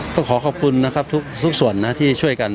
ต้องขอขอบคุณนะครับทุกส่วนนะที่ช่วยกัน